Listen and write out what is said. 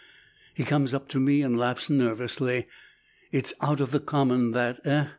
He comes up to me and laughs nervously: "It's out of the common, that, eh?